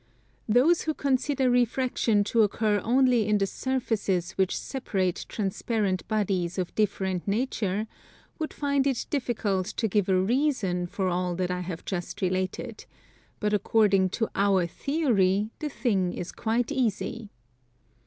Those who consider refraction to occur only in the surfaces which separate transparent bodies of different nature, would find it difficult to give a reason for all that I have just related; but according to our Theory the thing is quite easy.